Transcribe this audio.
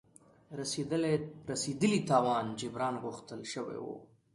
رسېدلي تاوان جبران غوښتل شوی وو.